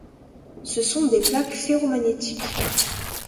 Ce sont des plaques ferromagnétiques.